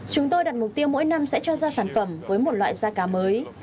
chúng tôi đặt mục tiêu mỗi năm sẽ cho ra sản phẩm với một loại da cá mới